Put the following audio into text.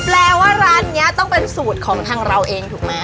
แปลว่าร้านนี้ต้องเป็นสูตรของทางเราเองถูกไหม